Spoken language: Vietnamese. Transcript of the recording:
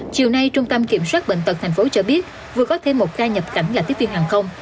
chiều nay trung tâm kiểm soát bệnh tật tp hcm cho biết vừa có thêm một ca nhập cảnh là tiếp viên hàng không